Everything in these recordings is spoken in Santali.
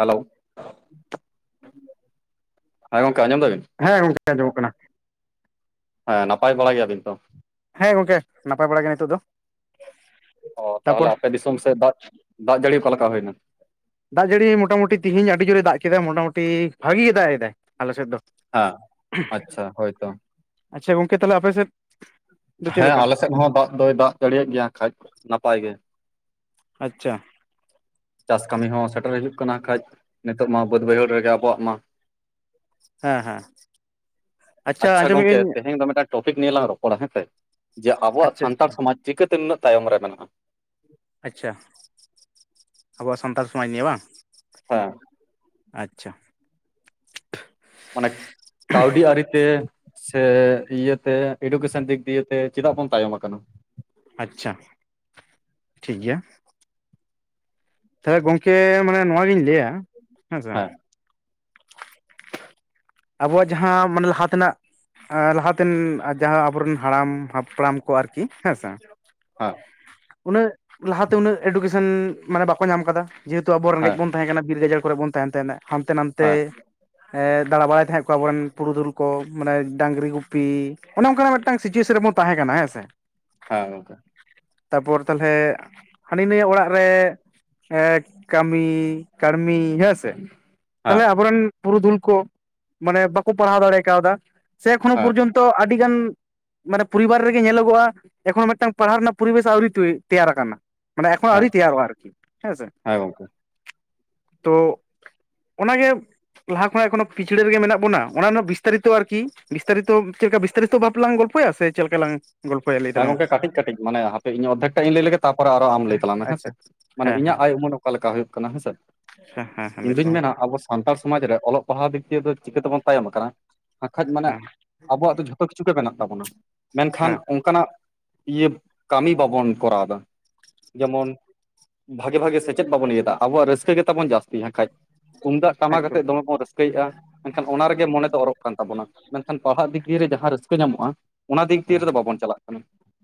ᱦᱮᱞᱳ! ᱦᱮᱸ ᱜᱚᱝᱠᱮ ᱟᱸᱡᱚᱢ ᱫᱟᱵᱤᱱ? ᱦᱮᱸ ᱜᱚᱝᱠᱮ ᱟᱸᱡᱚᱢᱚᱜ ᱠᱟᱱᱟ ᱾ ᱦᱮᱸ, ᱱᱟᱯᱟᱭ ᱵᱟᱲᱟ ᱜᱮᱭᱟᱵᱤᱱ ᱛᱚ? ᱦᱮᱸ ᱜᱚᱝᱠᱮ, ᱱᱟᱯᱟᱭ ᱵᱟᱲᱟ ᱜᱮ ᱱᱤᱛᱚᱜ ᱫᱚ ᱾ ᱚ ᱛᱟᱦᱚᱞᱮ ᱟᱯᱮ ᱫᱤᱥᱚᱢ ᱥᱮᱫ ᱫᱟᱜ ᱫᱟᱜ ᱡᱟᱹᱲᱤ ᱚᱠᱟ ᱞᱮᱠᱟ ᱦᱩᱭᱱᱟ? ᱫᱟᱜ ᱡᱟᱹᱲᱤ ᱢᱚᱴᱟᱢᱩᱴᱤ ᱛᱤᱦᱤᱧ ᱟᱹᱰᱤ ᱡᱳᱨᱮ ᱫᱟᱜ ᱠᱮᱫᱟ ᱢᱚᱴᱟᱢᱩᱴᱤ ᱵᱷᱟᱜᱤ ᱜᱮᱭ ᱫᱟᱜ ᱮᱫᱟᱭ ᱟᱞᱮ ᱥᱮᱫ ᱫᱚ᱾ ᱟᱸ ᱟᱪᱪᱷᱟ ᱦᱳᱭ ᱛᱚ᱾ ᱟᱪᱪᱷᱟ ᱜᱚᱝᱠᱮ ᱛᱟᱦᱚᱞᱮ ᱟᱯᱮ ᱥᱮᱫ᱾ ᱫᱚ ᱪᱮᱫ ᱦᱮᱸ ᱞᱮᱠᱟ ᱟᱞᱮ ᱥᱮᱫ ᱦᱚᱸ ᱫᱟᱜ ᱫᱚᱭ ᱫᱟᱜ ᱡᱟᱲᱤᱭᱮᱜ ᱜᱮᱭᱟ ᱠᱷᱟᱡ ᱱᱟᱯᱟᱭ ᱜᱮ᱾ ᱟᱪᱪᱷᱟ ᱪᱟᱥ ᱠᱟᱹᱢᱤ ᱦᱚᱸ ᱥᱮᱴᱮᱨ ᱦᱩᱭᱩᱜ ᱠᱟᱱᱟ ᱠᱷᱟᱡ ᱱᱤᱛᱚᱜ ᱢᱟ ᱵᱟᱹᱫ ᱵᱟᱹᱭᱦᱟᱹᱲ ᱨᱮᱜᱮ ᱟᱵᱚᱣᱟᱜ ᱢᱟ᱾ ᱦᱮᱸ ᱦᱮᱸ ᱟᱪᱪᱷᱟ ᱟᱸᱡᱚᱢᱮᱫ ᱜᱚᱝᱠᱮ ᱟᱹᱧ ᱛᱮᱦᱮᱧ ᱫᱚ ᱢᱤᱫᱴᱟᱱ᱾ ᱴᱚᱯᱤᱠ ᱱᱤᱭᱮ ᱞᱟᱝ ᱨᱚᱯᱚᱲᱟ ᱦᱮᱸᱥᱮ ᱡᱮ ᱟᱵᱚᱣᱟᱜ ᱟᱪᱪᱷᱟ ᱥᱟᱱᱛᱟᱲ ᱟᱪᱪᱷᱟ ᱥᱚᱢᱟᱡᱽ ᱪᱤᱠᱟᱹᱛᱮ ᱱᱩᱱᱟᱹᱜ ᱛᱟᱭᱚᱢ ᱨᱮ ᱢᱮᱱᱟᱜᱼᱟ᱾ ᱟᱪᱪᱷᱟ ᱟᱵᱚᱣᱟᱜ ᱥᱟᱱᱛᱟᱲ ᱥᱚᱢᱟᱡᱽ ᱱᱤᱭᱮ ᱵᱟᱝ᱾ ᱦᱮᱸ ᱟᱪᱪᱷᱟ ᱢᱟᱱᱮ ᱠᱟᱹᱣᱰᱤ ᱟᱹᱨᱤᱛᱮ᱾ ᱥᱮ ᱤᱭᱟᱹᱛᱮ ᱮᱰᱩᱠᱮᱥᱚᱱ ᱫᱤᱠ ᱫᱤᱭᱮᱛᱮ ᱪᱮᱫᱟᱜ ᱵᱚᱱ ᱛᱟᱭᱚᱢ ᱟᱠᱟᱱᱟ᱾ ᱟᱪᱪᱷᱟ ᱴᱷᱤᱠ ᱜᱮᱭᱟ᱾ ᱛᱟᱦᱚᱞᱮ ᱜᱚᱝᱠᱮ ᱢᱟᱱᱮ ᱱᱚᱣᱟ ᱜᱤᱧ ᱞᱟᱹᱭᱼᱟ ᱦᱮᱸᱥᱮ᱾ ᱦᱮᱸ [unintelligible] ᱟᱵᱚᱣᱟᱜ ᱡᱟᱦᱟᱸ ᱢᱟᱱᱮ ᱞᱟᱦᱟ ᱛᱮᱱᱟᱜ᱾ ᱞᱟᱦᱟᱛᱮᱱ ᱡᱟᱦᱟᱸ ᱟᱵᱚᱨᱮᱱ ᱦᱟᱲᱟᱢ ᱦᱟᱯᱲᱟᱢ ᱠᱚ ᱟᱨᱠᱤ ᱦᱮᱸᱥᱮ᱾ ᱦᱮᱸ ᱩᱱᱟᱹᱜ ᱞᱟᱦᱟᱛᱮ ᱩᱱᱟᱹᱜ ᱮᱰᱩᱠᱮᱥᱚᱱ ᱢᱟᱱᱮ ᱵᱟᱠᱚ ᱧᱟᱢ ᱟᱠᱟᱫᱟ᱾ ᱡᱮᱦᱮᱛᱩ ᱟᱵᱚ ᱨᱮᱜᱮᱡ ᱦᱮᱸ ᱵᱚᱱ ᱛᱟᱦᱮᱸ ᱠᱟᱱᱟ ᱵᱤᱨ ᱜᱟᱡᱟᱲ ᱠᱚᱨᱮ ᱵᱚᱱ ᱛᱟᱦᱮᱱ ᱛᱟᱦᱮᱱᱟ ᱦᱟᱱᱛᱮ ᱱᱟᱛᱮ᱾ ᱦᱮᱸ ᱦᱮᱸ ᱫᱟᱬᱟ ᱵᱟᱲᱟᱭ ᱛᱟᱦᱮᱸᱫ ᱠᱚ ᱟᱵᱚᱨᱮᱱ ᱯᱩᱨᱩᱫᱷᱩᱞ ᱠᱚ ᱢᱟᱱᱮ ᱰᱟᱝᱨᱤ ᱜᱩᱯᱤ ᱚᱱᱮ ᱚᱱᱠᱟᱱᱟᱜ ᱢᱤᱫᱴᱮᱱ᱾ ᱢᱤᱫᱴᱟᱝ ᱥᱤᱪᱩᱭᱮᱥᱚᱱ ᱨᱮᱵᱚᱱ ᱛᱟᱦᱮᱸ ᱠᱟᱱᱟ ᱦᱮᱸ ᱥᱮ᱾ ᱦᱮᱸ ᱜᱚᱝᱠᱮ ᱛᱟᱯᱚᱨ ᱛᱟᱞᱦᱮ ᱦᱟᱹᱱᱤ ᱱᱟᱹᱭᱟᱹᱜ ᱚᱲᱟᱜ ᱨᱮ᱾ ᱮ ᱠᱟᱹᱢᱤ ᱠᱟᱹᱲᱢᱤ ᱦᱮᱸ ᱥᱮ᱾ ᱦᱮᱸ ᱛᱟᱦᱚᱞᱮ ᱟᱵᱚᱨᱮᱱ ᱯᱩᱨᱩᱫᱷᱩᱞ ᱠᱚ ᱢᱟᱱᱮ ᱵᱟᱠᱚ ᱯᱟᱲᱦᱟᱣ ᱫᱟᱲᱮ ᱠᱟᱣᱫᱟ ᱥᱮ ᱮᱠᱷᱚᱱᱳ ᱦᱮᱸ ᱯᱚᱨᱡᱚᱱᱛᱚ᱾ ᱟᱹᱰᱤᱜᱟᱱ ᱢᱟᱱᱮ ᱯᱚᱨᱤᱵᱟᱨ ᱨᱮᱜᱮ ᱧᱮᱞᱚᱜᱚᱜᱼᱟ ᱮᱠᱷᱚᱱ ᱢᱤᱫᱴᱟᱝ ᱯᱟᱲᱦᱟᱜ ᱨᱮᱱᱟᱜ ᱯᱚᱨᱤᱵᱮᱥ ᱟᱹᱣᱨᱤ ᱛᱮᱭᱟᱨ ᱟᱠᱟᱱᱟ᱾ ᱢᱟᱱᱮ ᱮᱠᱷᱱᱳ ᱦᱮᱸ ᱟᱭᱨᱤ ᱛᱮᱭᱟᱨᱚᱜ-ᱟ ᱟᱨᱠᱤ ᱦᱮᱸᱥᱮ᱾ ᱦᱮᱸ ᱜᱚᱝᱠᱮ ᱛᱚ ᱚᱱᱟᱜᱮ᱾ ᱞᱟᱦᱟᱠᱷᱱᱟᱜ ᱮᱠᱷᱚᱱᱚ ᱯᱤᱪᱷᱲᱟᱹ ᱨᱮᱜᱮ ᱢᱮᱱᱟᱜ ᱵᱚᱱᱟ ᱚᱱᱟ ᱨᱮᱱᱟᱜ ᱵᱤᱥᱛᱟᱨᱤᱛᱚ ᱟᱨᱠᱤ ᱵᱤᱥᱛᱟᱨᱤᱛᱚ ᱪᱮᱫ ᱞᱮᱠᱟ ᱵᱤᱥᱛᱟᱨᱤᱛᱚ ᱵᱷᱟᱵ ᱞᱟᱝ ᱜᱚᱞᱯᱚᱭᱟ ᱥᱮ᱾ ᱪᱮᱫ ᱞᱮᱠᱟ ᱞᱟᱝ᱾ ᱜᱚᱞᱯᱚᱭᱟ ᱞᱟᱹᱭ ᱦᱮᱸ ᱛᱟᱞᱟᱝ ᱢᱮ? ᱜᱚᱝᱠᱮ ᱠᱟᱹᱴᱤᱡ ᱠᱟᱹᱴᱤᱡ ᱢᱟᱱᱮ ᱦᱟᱯᱮ ᱤᱧ ᱚᱫᱷᱮᱠᱴᱟᱧ ᱞᱟᱹᱭ ᱞᱮᱜᱮ ᱛᱟᱯᱚᱨᱮ ᱟᱨ ᱟᱢ ᱞᱟᱹᱭ ᱛᱟᱞᱟᱝ ᱢᱮᱸ ᱦᱮ ᱥᱮ᱾ ᱟᱪᱪᱷᱟ ᱢᱟᱱᱮ ᱦᱮᱸ ᱤᱧᱟᱹᱜ ᱟᱭ ᱩᱢᱟᱹᱱ ᱚᱠᱟ ᱞᱮᱠᱟ ᱦᱩᱭᱩᱜ ᱠᱟᱱᱟ ᱦᱮᱸᱥᱮ᱾ ᱟᱪ ᱦᱮᱸ ᱤᱧ ᱫᱩᱧ ᱦᱮᱸ [unintelligible] ᱢᱮᱱᱟ ᱟᱵᱚ ᱥᱟᱱᱛᱟᱲ ᱥᱚᱢᱟᱡᱽ ᱨᱮ ᱚᱞᱚᱜ ᱯᱟᱲᱦᱟᱣ ᱫᱤᱠ ᱫᱤᱭᱮ ᱫᱚ ᱪᱤᱠᱟᱹ ᱛᱮᱵᱚᱱ ᱛᱟᱭᱚᱢ ᱠᱟᱱᱟ ᱵᱟᱠᱷᱟᱡ ᱢᱟᱱᱮ᱾ ᱦᱮᱸ ᱟᱵᱚᱣᱟᱜ ᱫᱚ ᱡᱷᱚᱛᱚ ᱠᱤᱪᱷᱩ ᱜᱮ ᱢᱮᱱᱟᱜ ᱛᱟᱵᱚᱱᱟ ᱢᱮᱱᱠᱷᱟᱱ᱾ ᱦᱮᱸ ᱚᱱᱠᱟᱱᱟᱜ ᱤᱭᱟᱹ ᱠᱟᱹᱢᱤ ᱵᱟᱵᱚᱱ ᱠᱚᱨᱟᱣ ᱫᱟ ᱡᱮᱢᱚᱱ᱾ ᱵᱷᱟᱜᱮ ᱵᱷᱟᱜᱮ ᱥᱮᱪᱮᱫ ᱵᱟᱵᱚᱱ ᱤᱭᱟᱹᱮᱫᱟ ᱟᱵᱚᱣᱟᱜ ᱨᱟᱹᱥᱠᱟᱹ ᱜᱮᱛᱟᱵᱚᱱ ᱡᱟᱥᱛᱤ ᱠᱷᱟᱡ᱾ ᱛᱩᱢᱫᱟᱜ ᱴᱟᱢᱟᱠᱛᱮᱫ ᱮᱠᱫᱚᱢ ᱫᱚᱢᱮ ᱵᱚᱱ ᱨᱟᱹᱥᱠᱟᱹᱭᱮᱫᱼᱟ᱾ ᱢᱮᱱᱠᱷᱟᱱ ᱚᱱᱟ ᱨᱮᱜᱮ ᱢᱚᱱᱮ ᱫᱚ ᱚᱨᱚᱜ ᱠᱟᱱ ᱛᱟᱵᱚᱱᱟ ᱢᱮᱱᱠᱷᱟᱱ ᱯᱟᱲᱦᱟᱜ ᱫᱤᱠ ᱫᱤᱭᱮ ᱡᱟᱦᱟᱸ ᱨᱟᱹᱥᱠᱟᱹ ᱧᱟᱢᱚᱜᱼᱟ ᱚᱱᱟ ᱫᱤᱠ ᱫᱤᱭᱮᱫᱚ ᱵᱟᱵᱚᱱ᱾ ᱪᱟᱞᱟᱜ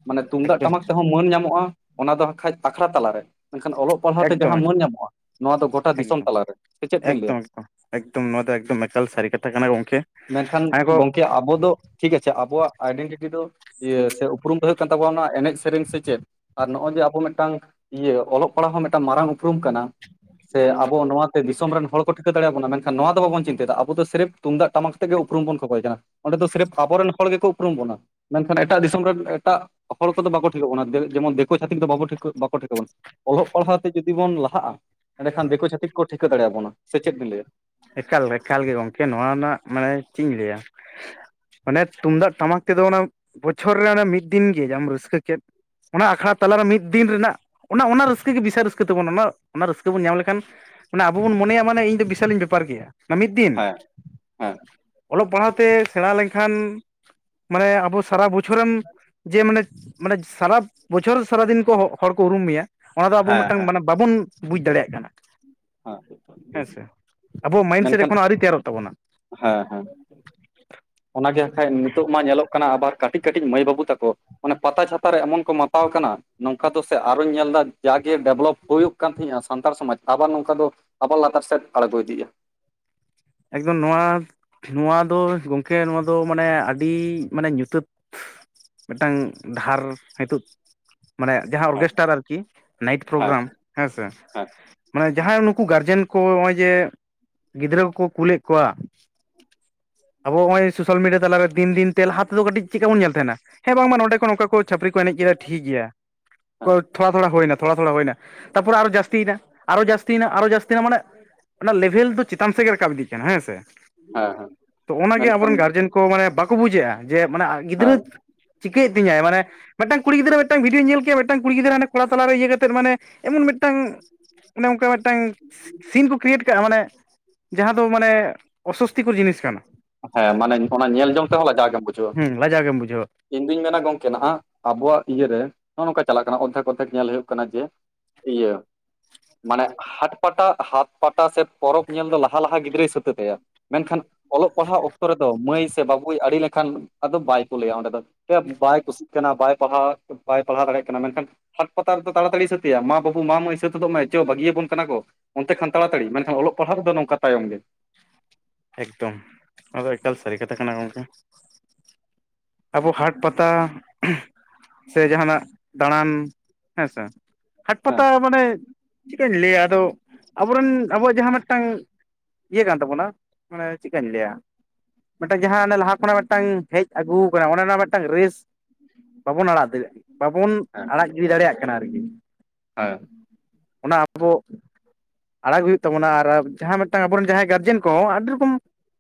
ᱢᱟᱱᱮ ᱛᱩᱢᱫᱟᱜ ᱴᱟᱢᱟᱠ ᱛᱮᱦᱚᱸ ᱢᱟᱹᱱ ᱧᱟᱢᱚᱜᱼᱟ ᱚᱱᱟ ᱫᱚ ᱦᱟᱠᱷᱟᱡ ᱟᱠᱷᱲᱟ ᱛᱟᱞᱟᱨᱮ ᱢᱮᱱᱠᱷᱟᱱ ᱚᱞᱚᱜ᱾ ᱚᱞᱚᱜ ᱯᱟᱲᱦᱟᱣ ᱛᱮ ᱮᱠᱫᱚᱢ ᱮᱠᱫᱚᱢ ᱡᱟᱦᱟᱸ ᱢᱟᱹᱱ ᱧᱟᱢᱚᱜᱼᱟ, ᱱᱚᱣᱟ ᱫᱚ ᱜᱳᱴᱟ ᱫᱤᱥᱚᱢ ᱮᱠᱫᱚᱢ ᱛᱟᱞᱟᱨᱮ ᱥᱮ ᱪᱮᱫ ᱵᱤᱱ ᱞᱟᱹᱭᱼᱟ᱾ ᱮᱠᱫᱚᱢ ᱮᱠᱫᱚᱢ ᱮᱠᱫᱚᱢ ᱱᱚᱣᱟ ᱫᱚ ᱮᱠᱫᱚᱢ ᱮᱠᱟᱞ ᱥᱟᱹᱨᱤ ᱠᱟᱛᱷᱟ ᱠᱟᱱᱟ ᱜᱚᱢᱠᱮ [inaudible] ᱢᱮᱱᱠᱷᱟᱱ ᱜᱚᱝᱠᱮ ᱟᱵᱚ ᱫᱚ ᱴᱷᱤᱠ ᱟᱪᱷᱮ ᱟᱵᱚᱣᱟᱜ ᱟᱭᱰᱮᱱᱴᱤᱴᱤ ᱫᱚ ᱤᱭᱟᱹ ᱥᱮ ᱩᱯᱨᱩᱢ ᱫᱚ ᱦᱩᱭᱩᱜ ᱠᱟᱱ ᱛᱟᱵᱚᱱᱟ ᱚᱱᱟ ᱮᱱᱮᱡ ᱥᱮᱨᱮᱧ ᱥᱮ ᱪᱮᱫ? ᱟᱨ ᱱᱚᱜᱼᱚᱭ ᱡᱮ ᱟᱵᱚ ᱢᱤᱫᱴᱟᱝ ᱤᱭᱟᱹ ᱚᱞᱚᱜ ᱯᱟᱲᱦᱟᱣ ᱦᱚᱸ ᱢᱤᱫᱴᱟᱝ ᱢᱟᱨᱟᱝ ᱩᱯᱨᱩᱢ ᱠᱟᱱᱟ ᱥᱮ ᱟᱵᱚ ᱱᱚᱣᱟ ᱫᱤᱥᱚᱢ ᱨᱮᱱ ᱦᱚᱲ ᱠᱚ ᱴᱷᱤᱠᱟᱹ ᱫᱟᱲᱭᱟᱵᱚᱱᱟ ᱢᱮᱱᱠᱷᱟᱱ ᱱᱚᱣᱟ ᱫᱚ ᱵᱟᱵᱚᱱ ᱪᱤᱱᱛᱟᱹᱭ ᱫᱟ ᱟᱵᱚ ᱫᱚ ᱥᱮᱨᱯᱷ ᱛᱩᱢᱫᱟᱜ, ᱴᱟᱢᱟᱠ ᱟᱛᱮ ᱜᱮ ᱩᱯᱨᱩᱢ ᱵᱚᱱ ᱠᱷᱚᱠᱚᱭ ᱠᱟᱱᱟ᱾ ᱚᱸᱰᱮ ᱫᱚ ᱥᱮᱨᱯ ᱟᱵᱚᱨᱮᱱ ᱦᱚᱲ ᱜᱮᱠᱚ ᱩᱯᱨᱩᱢ ᱵᱚᱱᱟ᱾ ᱢᱟᱱᱮ ᱮᱴᱟᱜ ᱫᱤᱥᱚᱢ ᱨᱮᱱ ᱮᱴᱟᱜ ᱦᱚᱲ ᱠᱚᱫᱚ ᱵᱟᱠᱚ ᱴᱷᱤᱠᱟᱹᱜ ᱵᱚᱱᱟ ᱫᱮᱵᱮᱜ ᱡᱮᱢᱚᱱ ᱫᱤᱠᱳ ᱪᱷᱟᱹᱛᱤᱠ ᱫᱚ ᱵᱟᱵᱚ ᱴᱷᱤᱠᱟᱹ ᱵᱟᱠᱚ ᱴᱷᱤᱠᱟᱹ ᱵᱚᱱᱟ᱾ ᱚᱞᱚᱜ ᱯᱟᱲᱦᱟᱣ ᱛᱮ ᱡᱩᱫᱤ ᱵᱚᱱ ᱞᱟᱦᱟᱜᱼᱟ ᱮᱱᱰᱮᱠᱷᱟᱱ ᱫᱤᱠᱩ ᱪᱷᱟᱹᱛᱤᱠ ᱠᱚ ᱴᱷᱤᱠᱟᱹ ᱫᱟᱲᱮᱭᱟᱵᱚᱱᱟ ᱥᱮ ᱪᱮᱫ ᱵᱤᱱ ᱞᱟᱹᱭᱟ? ᱮᱠᱟᱞ ᱮᱠᱟᱞ ᱜᱮ ᱜᱚᱝᱠᱮ ᱱᱚᱣᱟ ᱨᱮᱱᱟᱜ ᱢᱟᱱᱮ ᱪᱮᱫ ᱤᱧ ᱞᱟᱹᱭᱟ? ᱢᱟᱱᱮ ᱛᱩᱢᱫᱟᱜ, ᱴᱟᱢᱟᱠ ᱛᱮᱫᱚ ᱚᱱᱟ ᱵᱚᱪᱷᱚᱨ ᱨᱮ ᱚᱱᱟ ᱢᱤᱫ ᱫᱤᱱ ᱜᱮ ᱡᱟᱢ ᱨᱟᱹᱥᱠᱟᱹ ᱠᱮᱫ᱾ ᱚᱱᱟ ᱟᱠᱷᱲᱟ ᱛᱟᱞᱟᱨᱮ ᱢᱤᱫ ᱫᱤᱱ ᱨᱮᱱᱟᱜ ᱚᱱᱟ ᱚᱱᱟ ᱨᱟᱹᱥᱠᱟᱹ ᱜᱮ ᱵᱤᱥᱟᱞ ᱨᱟᱹᱥᱠᱟᱹ ᱛᱟᱵᱚᱱ ᱚᱱᱟ ᱨᱟᱹᱥᱠᱟᱹ ᱵᱚᱱ ᱧᱟᱢ ᱞᱮᱠᱷᱟᱱ ᱢᱟᱱᱮ ᱟᱵᱚ ᱵᱚᱱ ᱢᱚᱱᱮᱭᱟ ᱢᱟᱱᱮ ᱤᱧ ᱫᱚ ᱵᱤᱥᱟᱞ ᱤᱧ ᱵᱮᱯ ᱯᱟᱨ ᱜᱮᱭᱟ ᱚᱱᱟ ᱢᱤᱫ ᱫᱤᱱ᱾ ᱦᱮᱸ ᱦᱮᱸ ᱚᱞᱚᱜ ᱯᱟᱲᱦᱟᱣ ᱛᱮ ᱥᱮᱬᱟ ᱞᱮᱱᱠᱷᱟᱱ ᱢᱟᱱᱮ ᱟᱵᱚ ᱥᱟᱨᱟ ᱵᱚᱪᱷᱚᱨᱮᱢ ᱡᱮ ᱢᱟᱱᱮ ᱢᱟᱱᱮ ᱥᱟᱨᱟ ᱵᱚᱪᱷᱚᱨ ᱥᱟᱨᱟᱫᱤᱱ ᱠᱚ ᱦᱚ-ᱦᱚᱲ ᱠᱚ ᱩᱨᱩᱢ ᱢᱮᱭᱟ᱾ ᱚᱱᱟ ᱫᱚ ᱟᱵᱚ ᱦᱮᱸ ᱢᱤᱫᱴᱟᱝ ᱦᱮᱸ ᱢᱟᱱᱮ ᱵᱟᱵᱚᱱ ᱵᱩᱡᱽ ᱫᱟᱲᱮᱭᱟᱜ ᱠᱟᱱᱟ ᱦᱮᱸ ᱦᱮᱸᱥᱮ᱾ ᱟᱵᱚᱣᱟᱜ ᱢᱟᱭᱤᱱᱥᱮᱴ ᱢᱮᱱᱠᱷᱟᱱ ᱮᱠᱷᱚᱱᱚ ᱟᱣᱨᱤᱭ ᱛᱮᱭᱟᱨᱚᱜ ᱛᱟᱵᱚᱱᱟ᱾ ᱦᱮᱸ ᱦᱮᱸ᱾ ᱚᱱᱟᱜᱮ ᱦᱟᱸᱜ ᱠᱟᱡ ᱱᱤᱛᱚᱜ ᱢᱟ ᱧᱮᱞᱚᱜ ᱠᱟᱱᱟ ᱟᱵᱟᱨ ᱠᱟᱹᱴᱤᱡ ᱠᱟᱹᱴᱤᱡ ᱢᱟᱹᱭ ᱵᱟᱹᱵᱩ ᱛᱟᱠᱚ ᱚᱱᱮ ᱯᱟᱛᱟ ᱪᱷᱟᱛᱟ ᱨᱮ ᱮᱢᱚᱱ ᱠᱚ ᱢᱟᱛᱟᱣ ᱠᱟᱱᱟ ᱱᱚᱝᱠᱟ ᱫᱚ ᱥᱮ ᱟᱨᱚᱧ ᱧᱮᱞᱫᱟ ᱡᱟᱜᱮ ᱰᱮᱵᱷᱞᱚᱯ ᱦᱩᱭᱩᱜ ᱠᱟᱱ ᱛᱟᱦᱮᱸᱼᱟ ᱥᱟᱱᱛᱟᱲ ᱥᱚᱢᱟᱡᱽ, ᱟᱵᱟᱨ ᱱᱚᱝᱠᱟ ᱫᱚ ᱟᱵᱟᱨ ᱞᱟᱛᱟᱨ ᱥᱮᱫ ᱟᱬᱜᱚ ᱤᱫᱤᱜᱼᱟ᱾ ᱮᱠᱫᱚᱢ ᱱᱚᱣᱟ ᱱᱚᱣᱟ ᱫᱚ ᱜᱚᱝᱠᱮ ᱱᱚᱣᱟ ᱫᱚ ᱢᱟᱱᱮ ᱟᱹᱰᱤ ᱢᱟᱱᱮ ᱧᱩᱛᱟᱹᱛ ᱢᱤᱫᱴᱟᱝ ᱰᱟᱦᱟᱨ ᱦᱤᱛᱳᱜ ᱢᱟᱱᱮ ᱡᱟᱦᱟᱸ ᱦᱮᱸ ᱚᱨᱜᱮᱥᱴᱟᱨ ᱟᱨᱠᱤ, ᱱᱟᱭᱤᱴ ᱦᱮᱸ ᱯᱨᱳᱜᱨᱟᱢ ᱦᱮᱸᱥᱮ, ᱦᱮᱸ ᱢᱟᱱᱮ ᱡᱟᱦᱟᱸᱭ ᱱᱩᱠᱩ ᱜᱟᱨᱡᱮᱱ ᱠᱚ ᱱᱚᱜᱼᱚᱭ ᱡᱮ ᱜᱤᱫᱽᱨᱟᱹ ᱠᱚᱠᱳ ᱠᱩᱞᱮᱫ ᱠᱚᱣᱟ᱾ ᱟᱵᱚ ᱱᱚᱜ-ᱚᱭ ᱥᱳᱥᱟᱞ ᱢᱤᱰᱤᱭᱟ ᱛᱟᱞᱮᱨᱮ ᱫᱤᱱ ᱫᱤᱱ ᱛᱮ ᱞᱟᱦᱟ ᱛᱮᱫᱚ ᱠᱟᱹᱴᱤᱡ ᱪᱮᱫᱠᱟ ᱵᱚᱱ ᱧᱮᱞ ᱛᱟᱦᱮᱱᱟ? ᱦᱮᱸ ᱵᱟᱝᱢᱟ ᱱᱚᱸᱰᱮ ᱠᱷᱚᱱ ᱚᱱᱠᱟ ᱠᱚ ᱪᱷᱟᱯᱨᱤ ᱠᱚ ᱮᱱᱮᱡ ᱠᱮᱫᱟ ᱴᱷᱤᱠ ᱜᱮᱭᱟ, ᱦᱮᱸ ᱠᱚ ᱛᱷᱚᱲᱟ ᱛᱷᱚᱲᱟ ᱦᱳᱭᱱᱟ ᱛᱷᱚᱲᱟ ᱛᱷᱚᱲᱟ ᱦᱳᱭᱱᱟ᱾ ᱛᱟᱯᱚᱨᱮ ᱟᱨᱚ ᱡᱟᱹᱥᱛᱤᱭᱮᱱᱟ ᱟᱨᱦᱚᱸ ᱡᱟᱹᱥᱛᱤᱭᱮᱱᱟ ᱟᱨᱦᱚᱸ ᱡᱟᱹᱥᱛᱤᱭᱮᱱᱟ ᱢᱟᱱᱮ ᱚᱱᱟ ᱞᱮᱵᱷᱮᱞ ᱫᱚ ᱪᱮᱛᱟᱱ ᱥᱮᱫ ᱜᱮ ᱨᱟᱠᱟᱵ ᱤᱫᱤᱜ ᱠᱟᱱᱟ ᱦᱮᱸ ᱥᱮ, ᱦᱮᱸ ᱦᱮᱸ ᱛᱚ ᱚᱱᱟᱜᱮ ᱢᱮᱱᱠᱷᱟᱱ ᱟᱵᱚᱨᱮᱱ ᱜᱟᱨᱡᱮᱱ ᱠᱚ ᱢᱟᱱᱮ ᱵᱟᱠᱚ ᱵᱩᱡᱮᱫᱼᱟ ᱡᱮ ᱢᱟᱱᱮ ᱦᱮᱸ ᱜᱤᱫᱽᱨᱟᱹ ᱪᱤᱠᱟᱹᱭᱮᱫ ᱛᱤᱧᱟᱹᱭ ᱢᱟᱱᱮ ᱢᱤᱫᱴᱟᱝ ᱠᱩᱲᱤ ᱜᱤᱫᱽᱨᱟᱹ ᱢᱤᱫᱴᱟᱝ ᱵᱷᱤᱰᱭᱳᱧ ᱧᱮᱞ ᱠᱮᱭᱟ ᱢᱤᱫᱴᱟᱝ ᱠᱩᱲᱤ ᱜᱤᱫᱽᱨᱟᱹ ᱦᱟᱱᱮ ᱠᱚᱲᱟ ᱛᱟᱞᱟᱨᱮ ᱤᱭᱟᱹ ᱠᱟᱛᱮᱫ ᱢᱟᱱᱮ ᱮᱢᱚᱱ ᱢᱤᱫᱴᱟᱝ--‌ ᱚᱱᱮ ᱚᱝᱠᱟ ᱢᱤᱫᱴᱟᱝ ᱥᱤᱱ ᱠᱚ ᱠᱨᱤᱭᱮᱴ ᱠᱟᱜᱼᱟ ᱢᱟᱱᱮ ᱡᱟᱦᱟᱸ ᱫᱚ ᱢᱟᱱᱮ ᱚᱥᱚᱥᱛᱤᱠᱚᱨ ᱡᱤᱱᱤᱥ ᱠᱟᱱᱟ᱾ ᱦᱮᱸ ᱢᱟᱱᱮ ᱚᱱᱟ ᱧᱮᱞ ᱡᱚᱝ ᱛᱮᱦᱚᱸ ᱞᱟᱡᱟᱣ ᱜᱮᱢ ᱵᱩᱡᱷ ᱦᱩᱸ ᱞᱟᱡᱟᱣ ᱜᱮᱢ ᱵᱩᱡᱷᱟᱹᱣᱟ᱾ ᱤᱧ ᱫᱩᱧ ᱢᱮᱱᱟ ᱜᱚᱝᱠᱮ ᱱᱟᱦᱟᱜ ᱟᱵᱚᱣᱟᱜ ᱤᱭᱟᱹᱨᱮ ᱱᱚᱜᱼᱚ ᱱᱚᱝᱠᱟ ᱪᱟᱞᱟᱜ ᱠᱟᱱᱟ ᱚᱫᱽᱫᱷᱮᱠ ᱚᱫᱽᱫᱷᱮᱠ ᱧᱮᱞ ᱦᱩᱭᱩᱜ ᱠᱟᱱᱟ ᱡᱮ ᱤᱭᱟᱹ ᱢᱟᱱᱮ ᱦᱟᱴ ᱯᱟᱴᱟ ᱦᱟᱛ ᱯᱟᱴᱟ ᱥᱮ ᱯᱚᱨᱚᱵᱽ ᱧᱮᱞ ᱫᱚ ᱞᱟᱦᱟ ᱞᱟᱦᱟ ᱜᱤᱫᱽᱨᱟᱹᱭ ᱥᱟᱹᱛᱮ ᱛᱟᱭᱟ ᱢᱮᱱᱠᱷᱟᱱ ᱯᱟᱲᱦᱟᱣ ᱚᱠᱛᱚ ᱨᱮᱫᱚ ᱢᱟᱹᱭ ᱥᱮ ᱵᱟᱹᱵᱩᱭ ᱟᱲᱤ ᱞᱮᱠᱷᱟᱱ ᱟᱫᱚ ᱵᱟᱭ ᱠᱳᱞᱮᱭᱟ ᱚᱸᱰᱮ ᱫᱚ᱾ ᱭᱟ ᱵᱟᱭ ᱠᱩᱥᱤᱜ ᱠᱟᱱᱟ ᱵᱟᱭ ᱯᱟᱲᱦᱟᱣ ᱵᱟᱭ ᱯᱟᱲᱦᱟᱣ ᱫᱟᱲᱮᱭᱟᱜ ᱠᱟᱱᱟ ᱢᱮᱱᱠᱷᱟᱱ ᱦᱟᱴ ᱯᱟᱛᱟ ᱨᱮᱫᱚ ᱛᱟᱲᱟᱛᱟᱹᱲᱤ ᱥᱟᱹᱛᱮᱭᱟ ᱢᱟ ᱵᱟᱹᱵᱩ ᱢᱟ ᱢᱟᱹᱭ ᱥᱟᱹᱛ ᱦᱚᱫᱚᱜ ᱢᱮ ᱪᱚ ᱵᱟᱹᱜᱤᱭᱟᱵᱚᱱ ᱠᱟᱱᱟ ᱠᱚ᱾ ᱚᱱᱛᱮ ᱠᱷᱟᱱ ᱛᱟᱲᱟᱛᱟᱹᱲᱤ ᱢᱮᱱᱠᱷᱟᱱ ᱚᱞᱚᱜ ᱯᱟᱲᱦᱟᱜ ᱨᱮᱫᱚ ᱱᱚᱝᱠᱟ ᱛᱟᱭᱚᱢ ᱜᱮ᱾ ᱮᱠᱫᱚᱢ ᱱᱚᱣᱟᱫᱚ ᱮᱠᱟᱞ ᱥᱟᱹᱨᱤ ᱠᱟᱛᱷᱟ ᱠᱟᱱᱟ ᱜᱚᱢᱠᱮ᱾ ᱟᱵᱚ ᱦᱟᱴ ᱯᱟᱛᱟ ᱥᱮ ᱡᱟᱦᱟᱱᱟᱜ ᱫᱟᱬᱟᱱ ᱦᱮᱸ ᱥᱮ ᱦᱟᱴ ᱦᱮᱸ ᱯᱟᱛᱟ ᱢᱟᱱᱮ ᱪᱤᱠᱟᱹᱧ ᱞᱟᱹᱭᱟ ᱟᱫᱚ ᱟᱵᱚᱨᱮᱱ ᱟᱵᱚᱣᱟᱜ ᱡᱟᱦᱟᱸ ᱢᱤᱫᱴᱟᱝ ᱤᱭᱟᱹ ᱠᱟᱱ ᱛᱟᱵᱚᱱᱟ ᱢᱟᱱᱮ ᱪᱮᱜᱠᱟᱧ ᱞᱟᱹᱭᱟ? ᱢᱮᱜ ᱴᱟᱝ ᱡᱟᱦᱟᱸ ᱚᱱᱮ ᱞᱟᱦᱟ ᱠᱷᱚᱱᱟᱜ ᱢᱤᱫ ᱴᱟᱝ ᱦᱮᱡ ᱟᱹᱜᱩᱣ ᱠᱟᱱᱟ ᱚᱱᱮ ᱚᱱᱟ ᱢᱤᱫ ᱴᱟᱝ ᱨᱮᱥ ᱵᱟᱵᱚᱱ ᱟᱲᱟᱜ ᱫᱮ ᱵᱟᱵᱚᱱ ᱟᱲᱟᱜ ᱜᱤᱲᱤ ᱫᱟᱲᱮᱭᱟᱜ ᱠᱟᱱᱟ ᱟᱨᱠᱤ᱾ ᱟᱹᱭ ᱚᱱᱟ ᱟᱵᱚ ᱟᱲᱟᱜᱽ ᱦᱩᱭᱩᱜ ᱛᱟᱵᱚᱱᱟ ᱟᱨ ᱡᱟᱦᱟᱸ ᱢᱤᱫ ᱴᱟᱝ ᱟᱵᱚᱨᱮᱱ ᱡᱟᱦᱟᱸᱭ ᱜᱟᱨᱡᱮᱱ ᱠᱚᱸᱦᱚ ᱟᱹᱰᱤ ᱨᱚᱠᱚᱢ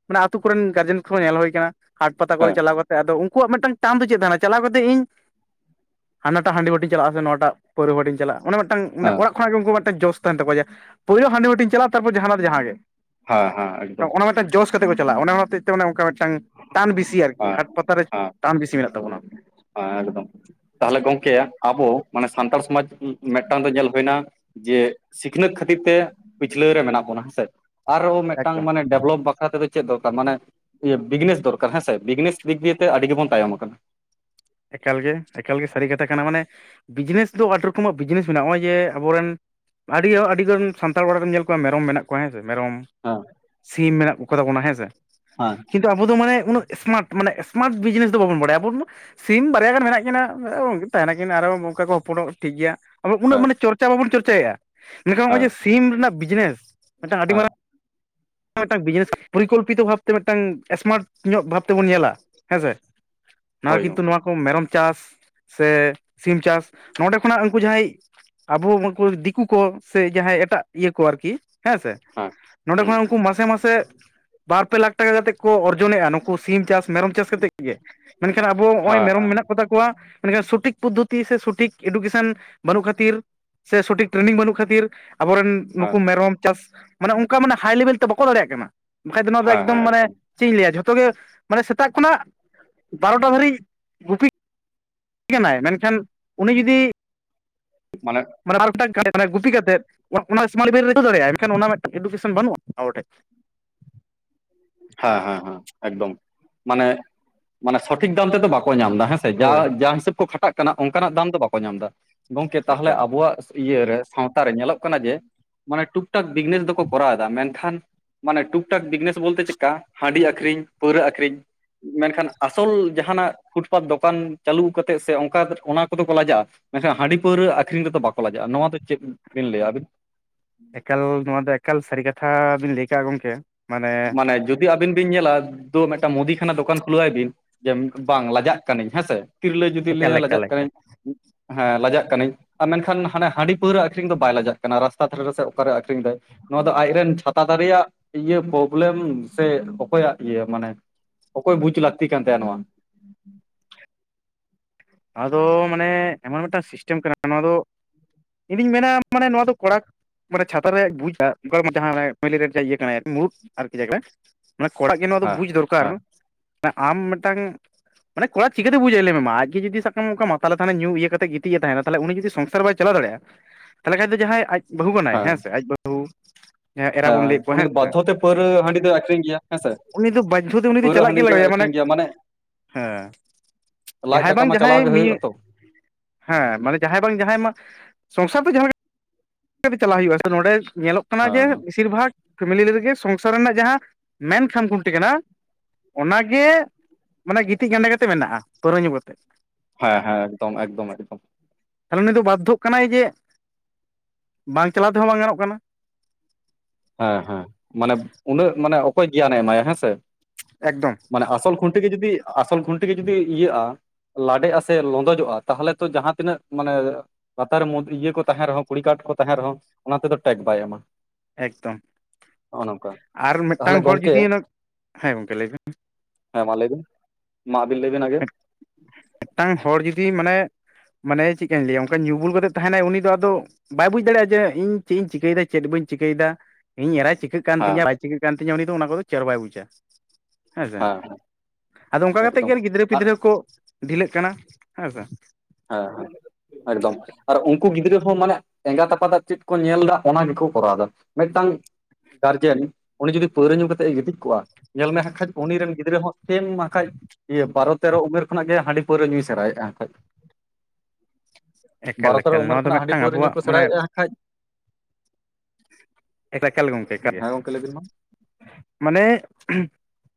ᱢᱟᱱᱮ ᱟᱛᱩ ᱠᱚᱨᱮᱱ ᱜᱟᱨᱡᱮᱱ ᱠᱚᱦᱚᱸ ᱧᱮᱞ ᱦᱩᱭ ᱠᱟᱱᱟ ᱦᱟᱴ ᱯᱟᱛᱟ ᱠᱚᱨᱮ ᱦᱮᱸ ᱪᱟᱞᱟᱣ ᱠᱟᱛᱮ ᱟᱫᱚ ᱩᱝ ᱠᱩᱣᱟᱜ ᱢᱤᱫ ᱴᱟᱝ ᱴᱟᱱ ᱫᱚ ᱪᱮᱫ ᱛᱟᱦᱮᱱᱟ ᱪᱟᱞᱟᱣ ᱠᱟᱛᱮ ᱤᱧ ᱦᱟᱱᱟᱴᱟᱜ ᱦᱟᱺᱰᱤ ᱵᱟᱹᱴᱤᱧ ᱪᱟᱞᱟᱜ-ᱟ ᱥᱮ ᱱᱚᱣᱟ ᱴᱟᱜ ᱯᱟᱹᱣᱨᱟᱹ ᱵᱷᱟᱹᱴᱤᱧ ᱪᱟᱞᱟᱜ-ᱟ ᱚᱱᱟ ᱢᱤᱫ ᱴᱟᱝ ᱦᱮᱸ ᱚᱲᱟᱜ ᱠᱷᱚᱱᱟᱜ ᱜᱮ ᱩᱱᱠᱩ ᱢᱮᱜ ᱴᱟ ᱡᱚᱥ ᱛᱟᱦᱮ ᱛᱟᱠᱚᱣᱟ ᱡᱮ ᱯᱳᱭᱞᱳ ᱦᱟᱺᱰᱤ ᱵᱷᱟᱹᱴᱤᱧ ᱪᱟᱞᱟᱜ-ᱟ ᱛᱟᱨᱯᱚᱨ ᱡᱟᱦᱟᱱᱟᱜ ᱫᱚ ᱡᱟᱦᱟᱸ ᱜᱮ, ᱦᱟᱸ ᱦᱟᱸ ᱚᱱᱟ ᱢᱤ ᱴᱟᱝ ᱡᱚᱥ ᱠᱟᱛᱮ ᱠᱚ ᱪᱟᱞᱟᱜ-ᱟ ᱚᱱᱟ ᱦᱚᱛᱮᱡ ᱛᱮ ᱚᱱᱟ ᱚᱱᱠᱟ ᱢᱤᱫ ᱴᱟᱝ ᱴᱟᱱ ᱵᱤᱥᱤ ᱟᱨᱠᱤ ᱦᱮᱸ ᱦᱟ ᱯᱟᱛᱟ ᱨᱮ ᱦᱮᱸ ᱴᱟᱱ ᱵᱤᱥᱤ ᱢᱮᱱᱟᱜ ᱛᱟᱵᱚᱱᱟ᱾ ᱦᱮᱸ ᱮᱠᱫᱚᱢ ᱛᱟᱦᱞᱮ ᱜᱚᱝᱠᱮ ᱟᱵᱚ ᱢᱟᱱᱮ ᱥᱟᱱᱛᱟᱲ ᱥᱚᱢᱟᱡᱽ ᱢᱮᱜ ᱴᱟᱝ ᱫᱚ ᱧᱮᱞ ᱦᱳᱭ ᱱᱟ ᱡᱮ ᱥᱤᱠᱷᱱᱟᱹᱛ ᱠᱷᱟᱹᱛᱤᱨ ᱛᱮ ᱯᱤᱪᱷᱞᱟᱹ ᱨᱮ ᱢᱮᱱᱟᱜ ᱵᱚᱱᱟ ᱦᱮᱸᱥᱮ ᱟᱨᱚᱸ ᱢᱤᱜ ᱮᱠᱫᱚᱢ ᱴᱟᱝ ᱢᱟᱱᱮ ᱰᱮᱵᱷᱞᱚᱯ ᱵᱟᱠᱷᱨᱟ ᱛᱮᱫᱚ ᱪᱮᱫ ᱫᱚᱨᱠᱟᱨ ᱢᱟᱱᱮ ᱤᱭᱟᱹ ᱵᱤᱜᱱᱮᱥ ᱫᱚᱨᱠᱟᱨ ᱦᱮᱸᱥᱮ ᱵᱤᱜᱱᱮᱥ ᱫᱤᱠ ᱫᱮᱭᱮ ᱛᱮ ᱟᱹᱰᱤ ᱜᱮᱵᱚᱱ ᱛᱟᱭᱚᱢ ᱠᱟᱱᱟ᱾ ᱮᱠᱟᱞ ᱜᱮ ᱮᱠᱟᱞ ᱜᱮ ᱥᱟᱹᱨᱤ ᱠᱟᱛᱷᱟ ᱠᱟᱱᱟ ᱢᱟᱱᱮ ᱵᱤᱡᱽᱱᱮᱥ ᱫᱚ ᱟᱹᱰᱤ ᱨᱚᱠᱚᱢᱟᱜ ᱵᱤᱡᱽᱱᱮᱥ ᱢᱮᱱᱟᱜ-ᱟ ᱱᱚᱜ-ᱚᱭ ᱡᱮ ᱟᱵᱚ ᱨᱮᱱ ᱟᱹᱰᱤ ᱟᱹᱰᱤ ᱜᱟᱱ ᱥᱟᱱᱛᱟᱲ ᱚᱲᱟᱜ ᱨᱮᱱ ᱧᱮᱞ ᱠᱚᱣᱟ ᱢᱮᱨᱚᱢ ᱢᱮᱱᱟᱜ ᱠᱚᱣᱟ ᱦᱮᱸ ᱥᱮ ᱢᱮᱨᱚᱢ ᱦᱮᱸ ᱥᱤᱢ ᱢᱮᱱᱟᱜ ᱠᱚ ᱠᱚᱛᱟ ᱵᱚᱱᱟ ᱦᱮᱸ ᱥᱮ, ᱦᱮᱸ ᱠᱤᱱᱛᱩ ᱟᱵᱚ ᱫᱚ ᱢᱟᱱᱮ ᱩᱱᱟᱹᱜ ᱮᱥᱢᱟᱴ ᱢᱟᱱᱮ ᱥᱢᱟᱨᱴ ᱵᱤᱡᱱᱮᱥ ᱫᱚ ᱵᱟᱵᱚᱱ ᱵᱟᱲᱟᱭᱟ ᱟᱵᱚ ᱥᱤᱢ ᱵᱟᱨᱭᱟ ᱜᱟᱱ ᱢᱮᱱᱟᱜ ᱠᱤᱱᱟ ᱛᱟᱦᱮ ᱱᱟᱠᱤᱱ ᱟᱨᱦᱚᱸ ᱚᱱᱠᱟ ᱠᱚ ᱦᱚᱯᱚᱱᱚᱜ ᱴᱷᱤᱠ ᱜᱮᱭᱟ ᱩᱱᱟᱹᱜ ᱦᱮᱸ ᱢᱟᱱᱮ ᱪᱚᱨ ᱪᱚᱨᱪᱟ ᱵᱟᱵᱚᱱ ᱪᱚᱨᱪᱟᱭᱮᱜ-ᱟ ᱢᱮᱱᱠᱷᱟᱱ ᱱᱚᱜ-ᱚᱭ ᱦᱮᱸ ᱡᱮ ᱥᱤᱢ ᱨᱮᱱᱟᱜ ᱵᱤᱡᱽᱱᱮᱥ ᱢᱤᱫ ᱴᱟᱝ ᱟᱹᱰᱤ ᱦᱮᱸ ᱢᱟᱨᱟᱝ ᱢᱮᱜ ᱴᱟᱝ ᱵᱤᱡᱽᱱᱮᱥ ᱯᱚᱨᱤᱠᱚᱞᱯᱤᱛᱚ ᱵᱷᱟᱵᱛᱮ ᱢᱮᱜ ᱴᱟᱝ ᱮᱥᱢᱟᱴ ᱧᱚᱜ ᱵᱷᱟᱵ ᱛᱮᱵᱚᱱ ᱧᱮᱞᱟ, ᱦᱮᱸᱥᱮ ᱱᱚᱣᱟ ᱦᱳᱭ ᱠᱤᱱᱛᱩ ᱜᱚᱝᱠᱮ ᱱᱚᱣᱟ ᱠᱚ ᱢᱮᱨᱚᱢ ᱪᱟᱥ, ᱥᱮ ᱥᱤᱢ ᱪᱟᱥ ᱱᱚᱰᱮ ᱠᱷᱚᱱᱟᱜ ᱩᱱᱠᱩ ᱡᱟᱦᱟᱸᱭ ᱟᱵᱚ ᱩᱱᱠᱩ ᱫᱤᱠᱩ ᱠᱚ ᱥᱮ ᱡᱟᱦᱟᱸᱭ ᱮᱴᱟᱜ ᱤᱭᱟᱹ ᱠᱚ ᱟᱨᱠᱤ, ᱦᱮᱸ ᱥᱮ ᱦᱮᱸ ᱱᱚᱰᱮ ᱦᱮᱸ ᱠᱷᱚᱱᱟ ᱩᱱᱠᱩ ᱢᱟᱥᱮ ᱢᱟᱥᱮ ᱵᱟᱨ ᱯᱮ ᱞᱟᱠᱷ ᱴᱟᱠᱟ ᱠᱟᱛᱮᱫ ᱠᱚ ᱚᱨᱡᱚᱱᱮᱜ-ᱟ ᱱᱩᱠᱩ ᱥᱤᱢ ᱪᱟᱥ ᱢᱮᱨᱚᱢ ᱪᱟᱥ ᱠᱟᱛᱮᱜ ᱜᱮ, ᱢᱮᱱ ᱠᱷᱟᱱ ᱟᱵᱚ ᱱᱚᱜ-ᱚᱭ ᱦᱮᱸ ᱢᱮᱨᱚᱢ ᱢᱮᱱᱟᱜ ᱠᱚᱛᱟ ᱠᱚᱣᱟ ᱢᱮᱱ ᱠᱷᱟᱱ ᱥᱚᱴᱷᱤᱠ ᱯᱚᱫᱽᱫᱷᱚᱛᱤ ᱥᱮ ᱥᱚᱴᱷᱤᱠ ᱮᱰᱩᱠᱮᱥᱮᱱ ᱵᱟᱹᱱᱩᱜ ᱠᱷᱟᱹᱛᱤᱨ ᱥᱮ ᱥᱚᱴᱷᱤᱠ ᱴᱨᱮᱱᱤᱝ ᱵᱟᱹᱱᱩᱜ ᱠᱷᱟᱹᱛᱤᱨ ᱟᱵᱚ ᱨᱮᱱ ᱦᱮᱸ ᱱᱩᱠᱩ ᱢᱮᱨᱚᱢ ᱪᱟᱥ ᱢᱟᱱᱮ ᱚᱱᱠᱟ ᱢᱟᱱᱮ ᱦᱟᱭ ᱞᱮᱵᱮᱞ ᱛᱮ ᱵᱟᱠᱚ ᱫᱟᱲᱮᱭᱟᱜ ᱠᱟᱱᱟ ᱵᱟᱠᱷᱟᱡ ᱫᱚ ᱱᱚᱣᱟ ᱫᱚ ᱦᱮᱸ ᱦᱮᱸ ᱮᱠᱫᱚᱢ ᱦᱮᱸ ᱢᱟᱱᱮ ᱪᱮ ᱤᱧ ᱞᱟᱹᱭᱟ ᱡᱷᱚᱛᱚ ᱜᱮ ᱢᱟᱱᱮ ᱥᱮᱛᱟᱜ ᱠᱷᱚᱱᱟᱜ ᱵᱟᱨᱚᱴᱟ ᱫᱷᱟᱹᱨᱤᱡ ᱜᱩᱯᱤ ᱠᱟᱱᱟᱭ ᱢᱮᱱ ᱠᱷᱟᱱ ᱩᱱᱤ ᱡᱩᱫᱤ ᱢᱟᱞᱮᱜ ᱢᱟᱱᱮ ᱟᱨ ᱢᱤᱫ ᱴᱟᱝ ᱜᱩᱯᱤ ᱠᱟᱛᱮᱫ ᱚᱱᱟ ᱥᱢᱟᱞ ᱞᱮᱵᱮᱞ ᱨᱮ ᱫᱟᱲᱮᱭᱟᱜ ᱟᱭ ᱢᱮᱱ ᱠᱷᱟᱱ ᱚᱱᱟ ᱮᱰᱩᱠᱮᱥᱚᱱ ᱵᱟᱹᱱᱩᱜ-ᱟ ᱟᱵᱚ ᱴᱷᱮᱡ᱾ ᱦᱮᱸ ᱦᱮᱸ ᱦᱮᱸ ᱮᱠᱫᱚᱢ ᱢᱟᱱᱮ ᱢᱟᱱᱮ ᱥᱚᱴᱷᱤᱠ ᱫᱟᱢ ᱛᱮᱫᱚ ᱵᱟᱠᱚ ᱧᱟᱢ ᱫᱟ ᱦᱮᱸ ᱡᱟ ᱦᱳᱭ ᱡᱟ ᱦᱤᱥᱟᱹᱵ ᱠᱚ ᱠᱷᱟᱴᱟᱜ ᱠᱟᱱᱟ ᱚᱱᱠᱟᱱᱟᱜ ᱫᱟᱢ ᱫᱚ ᱵᱟᱠᱚ ᱧᱟᱢ ᱫᱟ ᱜᱚᱝᱠᱮ ᱛᱟᱦᱚᱞᱮ ᱮᱠᱟᱞ ᱟᱵᱚᱣᱟᱜ ᱤᱭᱟᱹᱨᱮ ᱥᱟᱶᱛᱟ ᱨᱮ ᱧᱮᱞᱚᱜ ᱠᱟᱱᱟ ᱡᱮ ᱢᱟᱱᱮ ᱴᱩᱠ ᱴᱟᱠ ᱵᱤᱜᱽᱱᱮᱥ ᱫᱚᱠᱚ ᱠᱚᱨᱟᱣ ᱫᱟ ᱢᱮᱱᱠᱷᱟᱱ ᱢᱟᱱᱮ ᱴᱩᱠ ᱴᱟᱠ ᱵᱤᱜᱽᱱᱮᱥ ᱵᱳᱞᱛᱮ ᱪᱮᱜ ᱠᱟ ᱦᱟᱺᱰᱤ ᱟᱠᱷᱨᱤᱧ ᱯᱟᱹᱣᱨᱟᱹ ᱟᱠᱷᱨᱤᱧ, ᱢᱮᱱᱠᱷᱟᱱ ᱟᱥᱚᱞ ᱡᱟᱦᱟᱱᱟᱜ ᱯᱷᱩᱴᱯᱟᱛ ᱫᱚᱠᱟᱱ ᱪᱟᱹᱞᱩ ᱠᱟᱛᱮᱜ ᱥᱮ ᱚᱝᱠᱟ ᱚᱱᱟ ᱠᱚᱫᱚ ᱠᱚ ᱞᱟᱡᱟᱜ-ᱟ, ᱢᱮᱱᱠᱷᱟᱱ ᱦᱟᱺᱰᱤ ᱯᱟᱹᱣᱨᱟᱹ ᱟᱹᱠᱷᱨᱤᱧ ᱨᱮᱫᱚ ᱵᱟᱠᱚ ᱞᱟᱡᱟᱜ-ᱟ, ᱱᱚᱣᱟ ᱫᱚ ᱪᱮᱫ ᱵᱤᱱ ᱞᱟᱹᱭᱟ ᱟᱹᱵᱤᱱ? ᱮᱠᱟᱞ ᱱᱚᱣᱟ ᱫᱚ ᱮᱠᱟᱞ ᱥᱟᱹᱨᱤ ᱠᱟᱛᱷᱟ ᱵᱤᱱ ᱞᱟᱹᱭ ᱠᱟᱸᱜ ᱜᱚᱝᱠᱮ ᱢᱟᱱᱮ ᱢᱟᱱᱮ ᱡᱩᱫᱤ ᱟᱵᱤᱱ ᱵᱤᱱ ᱧᱮᱞᱟ ᱫᱳ ᱢᱤᱫ ᱴᱟᱝ ᱢᱩᱫᱤ ᱠᱷᱟᱱᱟ ᱫᱚᱠᱟᱱ ᱠᱷᱩᱞᱟᱹᱣᱟᱭ ᱵᱤᱱ ᱡᱮ ᱵᱟᱝ ᱞᱟᱡᱟᱜ ᱠᱟᱹᱱᱟᱹᱧ ᱦᱮᱸᱥᱮ ᱛᱤᱨᱞᱟᱹ ᱡᱩᱫᱤ ᱮᱠᱟᱞ ᱞᱟᱹᱭᱟᱭ ᱞᱟᱡᱟᱜ ᱮᱠᱟᱞ ᱮᱠᱟᱞ ᱠᱟᱹᱱᱟᱹᱧ ᱦᱮᱸ ᱞᱟᱡᱟᱜ ᱠᱟᱹᱱᱟᱹᱧ ᱟᱨ ᱢᱮᱱᱠᱷᱟᱱ ᱦᱟᱱ ᱦᱟᱺᱰᱤ ᱯᱟᱹᱣᱨᱟᱹ ᱟᱠᱷᱨᱤᱧ ᱫᱚ ᱵᱟᱭ ᱞᱟᱡᱟᱜ ᱠᱟᱱᱟ ᱨᱟᱥᱛᱟ ᱫᱷᱟᱨᱮ ᱨᱮ ᱚᱠᱟᱨᱮ ᱟᱠᱷᱨᱤᱧ ᱫᱟᱭ ᱱᱚᱣᱟ ᱫᱚ ᱟᱡᱨᱮᱱ ᱪᱷᱟᱛᱟ ᱫᱟᱨᱮᱭᱟᱜ ᱤᱭᱟᱹ ᱯᱚ ᱯᱨᱞᱮᱢ ᱥᱮ ᱚᱠᱚᱭᱟᱜ ᱤᱭᱟᱹ ᱢᱟᱱᱮ ᱚᱠᱚᱭ ᱵᱩᱡ ᱞᱟᱹᱠᱛᱤ ᱠᱟᱱ ᱛᱟᱭᱟ ᱱᱚᱣᱟ? ᱱᱚᱣᱟ ᱫᱚ ᱢᱟᱱᱮ ᱮᱢᱚᱱ ᱢᱤᱫ ᱴᱟᱝ ᱥᱤᱥᱴᱮᱢ ᱠᱟᱱᱟ ᱱᱚᱣᱟ ᱫᱚ ᱤᱧᱫᱩᱧ ᱢᱮᱱᱟ ᱢᱟᱱᱮ ᱱᱚᱣᱟ ᱫᱚ ᱠᱚᱲᱟ ᱢᱟᱱᱮ ᱪᱷᱟᱛᱟ ᱨᱮᱭ ᱵᱩᱡᱟ [unintelligible] ᱤᱭᱟᱹ ᱠᱟᱱᱟᱫ ᱟᱨᱠᱤ [inaudible] ᱠᱚᱲᱟ ᱟᱜ ᱜᱮ ᱱᱚᱣᱟ ᱫᱚ ᱦᱮᱸ ᱵᱩᱡ ᱫᱚᱨᱠᱟᱨ᱾ ᱦᱮᱸ ᱟᱢ ᱢᱮᱫᱴᱟᱝ ᱢᱟᱱᱮ ᱠᱚᱲᱟ ᱪᱤᱠᱟᱹᱛᱮ ᱵᱩᱡᱟᱭ ᱞᱮᱭᱢᱮ ᱢᱟ ᱟᱡ ᱜᱮ ᱡᱩᱫᱤ ᱥᱟᱵ ᱠᱟᱜ ᱢᱮ ᱚᱝᱠᱟ ᱢᱟᱛᱟᱞᱮ ᱛᱟᱸᱦᱮᱱᱟ ᱧᱩ ᱤᱭᱟᱹ ᱠᱟᱛᱮ ᱜᱤᱛᱤᱡ ᱮ ᱛᱟᱦᱮᱱᱟ ᱛᱟᱦᱚᱞᱮ ᱩᱱᱤ ᱡᱩᱫᱤ ᱥᱚᱝᱥᱟᱨ ᱵᱟᱭ ᱪᱟᱞᱟᱣ ᱫᱟᱲᱮᱭᱟᱜᱼᱟ ᱛᱟᱦᱚᱞᱮ ᱠᱷᱟᱡ ᱫᱚ ᱡᱟᱦᱟᱸᱭ ᱟᱡ ᱵᱟᱹᱦᱩ ᱠᱟᱱᱟᱭ ᱦᱮᱸ ᱦᱮᱸᱥᱮ ᱟᱡ ᱵᱟᱹᱦᱩ ᱡᱟᱦᱟᱸᱭ ᱮᱨᱟ ᱵᱚᱱ ᱦᱮᱸ ᱞᱟᱹᱭᱮᱫ ᱠᱚᱣᱟ ᱩᱱᱤ ᱫᱚ ᱵᱟᱫᱽᱫᱷᱚᱛᱮ ᱯᱟᱹᱣᱨᱟᱹ ᱦᱟᱺᱰᱤ ᱫᱚᱭ ᱟᱠᱷᱨᱤᱧ ᱜᱮᱭᱟ ᱦᱮᱸ ᱥᱮ ᱩᱱᱤ ᱫᱚ ᱵᱟᱫᱽᱫᱷᱚ ᱛᱮ ᱩᱱᱤ ᱫᱚ ᱯᱟᱹᱣᱨᱟᱹ ᱪᱟᱞᱟᱜ ᱜᱮ ᱦᱟᱺᱰᱤ ᱫᱚᱭ ᱞᱟᱜᱟᱣᱮᱭᱟ ᱟᱠᱷᱨᱤᱧ ᱜᱮᱭᱟ ᱢᱟᱱᱮ ᱦᱮᱸ ᱞᱟᱡ ᱡᱟᱦᱟᱸᱭ ᱫᱟᱠᱟ ᱵᱟᱝ ᱢᱟ ᱪᱟᱞᱟᱣ ᱡᱟᱦᱟᱸᱭ ᱜᱮ ᱦᱩᱭᱩᱜᱼᱟ ᱱᱤᱭᱟᱹ ᱛᱚ ᱦᱮᱸ ᱢᱟᱱᱮ ᱡᱟᱦᱟᱸᱭ ᱵᱟᱝ ᱡᱟᱦᱟᱸᱭ ᱢᱟ ᱥᱚᱝᱥᱟᱨ ᱫᱚ ᱡᱟᱦᱟᱸ ᱠᱟᱛᱮ ᱪᱟᱞᱟᱣ ᱦᱩᱭᱩᱜᱼᱟ ᱱᱚᱸᱰᱮ ᱧᱮᱞᱚᱜ ᱠᱟᱱᱟ ᱡᱮ ᱦᱮᱸ ᱵᱤᱥᱤᱨ ᱵᱷᱟᱜᱽ ᱯᱷᱮᱢᱤᱞᱤ ᱨᱮᱜᱮ ᱥᱚᱝᱥᱟᱨ ᱨᱮᱱᱟᱜ ᱡᱟᱦᱟᱸ ᱢᱮᱱ ᱠᱷᱟᱢ ᱠᱷᱩᱱᱴᱤ ᱠᱟᱱᱟ, ᱚᱱᱟᱜᱮ ᱢᱟᱱᱮ ᱜᱤᱛᱤᱡ ᱜᱟᱸᱰᱮ ᱠᱟᱛᱮᱜ ᱢᱮᱱᱟᱜᱼᱟ ᱯᱟᱹᱣᱨᱟᱹ ᱧᱩ ᱠᱟᱛᱮᱜ, ᱦᱮᱸ ᱦᱮᱸ ᱮᱠᱫᱚᱢ, ᱮᱠᱫᱚᱢ ᱮᱠᱫᱚᱢ᱾ ᱛᱟᱦᱚᱞᱮ ᱱᱩᱭ ᱫᱚ ᱵᱟᱫᱽᱫᱷᱚᱜ ᱠᱟᱱᱟᱭ ᱡᱮ ᱵᱟᱝ ᱪᱟᱞᱟᱣ ᱛᱮᱦᱚᱸ ᱵᱟᱝ ᱜᱟᱱᱚᱜ ᱠᱟᱱᱟ᱾ ᱦᱮᱸ ᱦᱮᱸ ᱢᱟᱱᱮ ᱩᱱᱟᱹᱜ ᱢᱟᱱᱮ ᱚᱠᱚᱭ ᱜᱮᱭᱟᱱᱮ ᱮᱢᱟᱭᱟ ᱦᱮᱸᱥᱮ᱾ ᱮᱠᱫᱚᱢ᱾ ᱢᱟᱱᱮ ᱟᱥᱚᱞ ᱠᱷᱩᱱᱴᱤ ᱜᱮ ᱡᱩᱫᱤ ᱟᱥᱚᱞ ᱠᱷᱩᱱᱴᱤ ᱜᱮ ᱡᱩᱫᱤ ᱤᱭᱟᱹᱜᱼᱟ ᱞᱟᱰᱮᱜᱼᱟ ᱥᱮ ᱞᱚᱸᱫᱚᱡᱚᱜᱼᱟ ᱛᱟᱦᱚᱞᱮ ᱛᱚ ᱡᱟᱦᱟᱸ ᱛᱤᱱᱟᱹᱜ ᱢᱟᱱᱮ ᱞᱟᱛᱟᱨ ᱨᱮ ᱢᱩᱫᱽ ᱤᱭᱟᱹ ᱠᱚ ᱛᱟᱦᱮᱸᱱ ᱨᱮᱦᱚᱸ ᱠᱩᱲᱤ ᱠᱟᱴ ᱠᱚ ᱛᱟᱦᱮᱸᱱ ᱨᱮᱦᱚᱸ ᱚᱱᱟ ᱛᱮᱫᱚ ᱴᱮᱠ ᱵᱟᱭ ᱮᱢᱟ᱾ ᱮᱠᱫᱚᱢ ᱱᱚᱜᱼᱚ ᱱᱚᱝᱠᱟ ᱟᱨ ᱛᱟᱦᱚᱞᱮ ᱢᱤᱫᱴᱟᱝ ᱦᱚᱲ ᱜᱚᱝᱠᱮ ᱡᱩᱫᱤ ᱦᱮᱸ ᱜᱚᱝᱠᱮ ᱞᱟᱹᱭ ᱵᱤᱱ? ᱦᱮᱸ ᱢᱟ ᱞᱟᱹᱭᱵᱤᱱ? ᱢᱟ ᱟᱹᱵᱤᱱ ᱞᱟᱹᱭᱵᱤᱱ ᱟᱜᱮ? ᱢᱮᱫᱴᱟᱝ ᱦᱚᱲ ᱡᱩᱫᱤ ᱢᱟᱱᱮ ᱢᱟᱱᱮ ᱪᱮᱠᱟᱧ ᱞᱟᱹᱭᱟ ᱚᱝᱠᱟ ᱧᱩ ᱵᱩᱞ ᱠᱟᱛᱮᱜ ᱛᱟᱦᱮᱱᱟᱭ ᱩᱱᱤ ᱫᱚ ᱟᱫᱚ, ᱵᱟᱭ ᱵᱩᱡᱽ ᱫᱟᱲᱮᱭᱟᱜᱼᱟ ᱡᱮ ᱤᱧ ᱪᱮᱜ ᱤᱧ ᱪᱤᱠᱟᱹᱭᱮᱫᱟ ᱪᱮᱜ ᱵᱟᱹᱧ ᱪᱤᱠᱟᱹᱭᱫᱟ ᱤᱧ ᱮᱨᱟᱭ ᱪᱤᱠᱟᱹᱜ ᱠᱟᱱ ᱦᱮᱸ ᱛᱤᱧᱟᱹ ᱵᱟᱭ ᱪᱤᱠᱟᱹᱜ ᱠᱟᱱ ᱛᱤᱧᱟ ᱩᱱᱤ ᱫᱚ ᱚᱱᱟ ᱠᱚᱫᱚ ᱪᱮᱫᱦᱚ ᱵᱟᱭ ᱵᱩᱪᱟ᱾ ᱦᱮᱸᱥᱮ ᱦᱮᱸ ᱟᱫᱚ ᱚᱝᱠᱟ ᱠᱟᱛᱮᱜ ᱮᱠᱫᱚᱢ ᱜᱮ ᱜᱤᱫᱽᱨᱟᱹ ᱟᱨ ᱯᱤᱫᱽᱨᱟᱹ ᱠᱚ᱾ ᱰᱷᱤᱞᱟᱹᱜ ᱠᱟᱱᱟ ᱦᱮᱸ ᱥᱮ᱾ ᱦᱮᱸ ᱦᱮᱸ ᱮᱠᱫᱚᱢ᱾ ᱟᱨ ᱩᱝᱠᱩ ᱜᱤᱫᱽᱨᱟᱹ ᱦᱚᱸ ᱢᱟᱱᱮ ᱮᱸᱜᱟᱛ ᱟᱯᱟᱛᱟᱜ ᱪᱮᱫ ᱠᱚ ᱧᱮᱞᱫᱟ ᱚᱱᱟ ᱜᱮᱠᱚ ᱠᱚᱨᱟᱣᱫᱟ ᱢᱮᱫᱴᱟᱝ ᱜᱟᱨᱡᱮᱱ ᱩᱱᱤ ᱡᱩᱫᱤ ᱯᱟᱹᱣᱨᱟᱹ ᱧᱩ ᱠᱟᱛᱮ ᱮ ᱜᱤᱛᱤᱡ ᱠᱚᱜᱼᱟ? ᱧᱮᱞ ᱢᱮ ᱦᱟᱸᱜ ᱠᱷᱟᱡ ᱩᱱᱤ ᱨᱮᱱ ᱜᱤᱫᱽᱨᱟᱹ ᱦᱚᱸ ᱥᱮᱢ ᱦᱟᱸᱜ ᱠᱷᱟᱡ ᱤᱭᱟᱹ ᱵᱟᱨᱚ ᱛᱮᱨᱚ ᱩᱢᱮᱨ ᱠᱷᱚᱱᱟᱜ ᱜᱮ ᱦᱟᱺᱰᱤ ᱯᱟᱹᱣᱨᱟᱹ ᱧᱩᱭ ᱥᱮᱬᱟᱭᱮᱜᱼᱟ ᱦᱟᱸᱠᱷᱟᱡ᱾ ᱮᱠᱟᱞ ᱵᱟᱨ ᱛᱮᱨᱚ ᱮᱠᱟᱞ ᱩᱢᱮᱨ ᱱᱚᱣᱟ ᱫᱚ ᱠᱷᱚᱱᱟᱜ ᱦᱟᱺᱰᱤ ᱢᱤᱫᱴᱟᱝ ᱯᱟᱹᱣᱨᱟᱹ ᱧᱩ ᱟᱵᱚᱣᱟᱜ ᱠᱚ ᱢᱟᱱᱮ ᱥᱮᱬᱟᱭᱮᱜᱼᱟ ᱦᱟᱸᱜ ᱠᱷᱟᱡ ᱮᱠᱞᱟ ᱜᱚᱝᱠᱮ ᱮᱠᱟᱞ ᱜᱮ ᱦᱮᱸ ᱜᱚᱝᱠᱮ ᱞᱟᱹᱭ ᱵᱤᱱ ᱢᱟ ᱢᱟᱱᱮ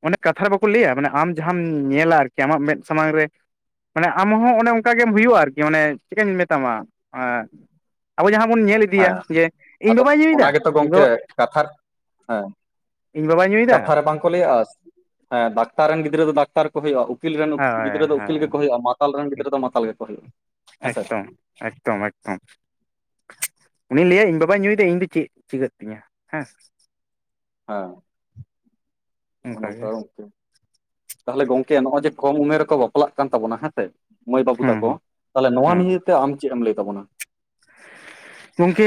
ᱚᱱᱮ ᱠᱟᱛᱷᱟ ᱨᱮ ᱵᱟᱠᱚ ᱞᱮᱭᱟ ᱢᱟᱱᱮ ᱟᱢ ᱡᱟᱦᱟᱸᱢ ᱧᱮᱞᱟ ᱟᱨᱠᱤ ᱟᱢᱟᱜ ᱢᱮᱫ ᱥᱟᱢᱟᱝ ᱨᱮ ᱢᱟᱱᱮ ᱟᱢ ᱦᱚᱸ ᱚᱱᱮ ᱚᱝᱠᱟ ᱜᱮᱢ ᱦᱳᱭᱳᱜᱼᱟ ᱟᱨᱠᱤ ᱚᱱᱮ ᱪᱮᱠᱟᱹᱧ ᱢᱮᱛᱟᱢᱟ ᱟᱵᱚ ᱡᱟᱦᱟᱸ ᱵᱚᱱ ᱧᱮᱞ ᱤᱫᱤᱭᱟ ᱦᱮᱸ ᱡᱮ ᱤᱧ ᱟᱫᱚ ᱵᱟᱵᱟᱭ ᱧᱩᱭᱫᱟ ᱚᱱᱟ ᱜᱮᱛᱚ ᱛᱚ ᱜᱚᱝᱠᱮ ᱠᱟᱛᱷᱟ ᱤᱧ ᱵᱟᱵᱟᱭ ᱧᱩᱭᱫᱟ ᱵᱟᱝ ᱠᱚ ᱞᱮᱭᱟ ᱫᱟᱠᱛᱟᱨ ᱨᱮᱱ ᱜᱤᱫᱽᱨᱟᱹ ᱫᱚ ᱫᱟᱠᱛᱟᱨ, ᱠᱚ ᱦᱳᱭᱳᱜᱼᱚ 'ᱩᱠᱤᱞ' ᱨᱮᱱ ᱦᱳᱭ ᱜᱤᱫᱽᱨᱟᱹ ᱫᱚ, 'ᱩᱠᱤᱞ' ᱦᱳᱭ ᱜᱮᱠᱚ ᱦᱳᱭᱳᱜᱼᱟ᱾ ᱢᱟᱛᱟᱞ ᱨᱮᱱ ᱜᱤᱫᱽᱨᱟᱹ ᱫᱚ, ᱢᱟᱛᱟᱞ ᱜᱮᱠᱚ ᱦᱳᱭᱳᱜᱼᱟ, ᱦᱮᱸᱥᱮ᱾ ᱮᱠᱫᱚᱢ ᱮᱠᱫᱚᱢ, ᱮᱠᱫᱚᱢ᱾ ᱩᱱᱤ ᱞᱟᱹᱭᱟᱭ ᱤᱧ ᱵᱟᱵᱟ ᱧᱩᱭᱫᱟ, ᱤᱧ ᱫᱚ ᱪᱮᱹᱜ ᱪᱤᱜᱟᱹᱜ ᱛᱤᱧᱟ, ᱦᱮᱸᱻ᱾ ᱦᱟ᱾ ᱱᱚᱜᱼᱚ ᱚᱱᱠᱟ ᱱᱚᱝᱠᱟ ᱜᱮ ᱜᱚᱝᱠᱮ, ᱛᱟᱦᱞᱮ ᱜᱚᱝᱠᱮ, ᱱᱚᱜᱼᱚᱭ ᱡᱮ ᱠᱚᱢ ᱩᱢᱮᱨ ᱨᱮᱠᱚ ᱵᱟᱯᱞᱟᱜ ᱠᱟᱱ ᱛᱟᱵᱚᱱᱟ, ᱦᱮᱸᱥᱮ ᱢᱟᱹᱭ, ᱵᱟᱹᱵᱩ ᱦᱩᱸ ᱛᱟᱠᱚ ᱦᱩᱸ ᱛᱟᱞᱮ ᱱᱚᱣᱟ ᱦᱩᱸ ᱱᱤᱭᱮᱛᱮ ᱟᱢ ᱪᱮᱜ ᱮᱢ ᱞᱟᱹᱭ ᱛᱟᱵᱚᱱᱟ? ᱜᱚᱝᱠᱮ,